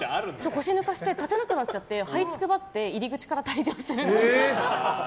腰抜かして立てなくなっちゃってはいつくばって入り口から退場するっていう。